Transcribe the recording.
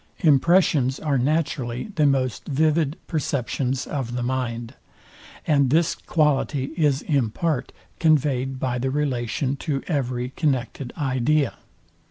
Impressions are naturally the most vivid perceptions of the mind; and this quality is in part conveyed by the relation to every connected idea.